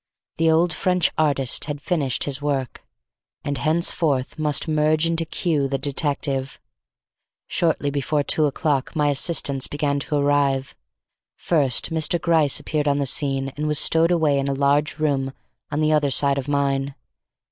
The old French artist had finished his work, and henceforth must merge into Q. the detective. Shortly before two o'clock my assistants began to arrive. First, Mr. Gryce appeared on the scene and was stowed away in a large room on the other side of mine.